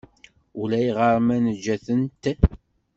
Ulayɣer ma nejja-tent.